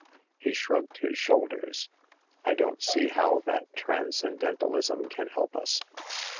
" He shrugged his shoulders. " I don't see how that transcendentalism can help us."